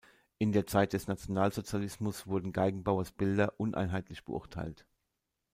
In der Zeit des Nationalsozialismus wurden Geigenbauers Bilder uneinheitlich beurteilt.